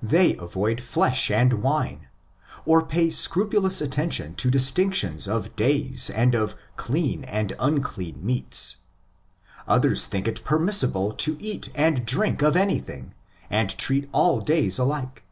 they avoid flesh and wine, or pay scrupulous attention to distinctions of days and of '"'clean"' and " unclean "' meats. Others think it permissible to eat and drink of anything, and treat all days alike.